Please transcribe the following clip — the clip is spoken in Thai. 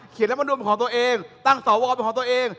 เขียนรับวันรุนเป็นของตัวเองตั้งสอวอลเป็นของตัวเอง